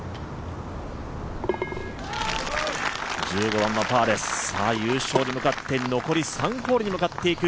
１５番はパーです優勝に向かって残り３ホールに向かっていく